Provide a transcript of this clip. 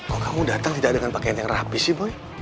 kok kamu datang tidak dengan pakaian yang rapi sih boy